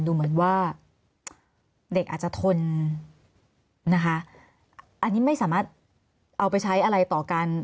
ดูเหมือนว่าเด็กอาจจะทนนะคะอันนี้ไม่สามารถเอาไปใช้อะไรต่อกัน